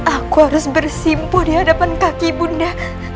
aku harus bersimpuh di hadapan kaki bunda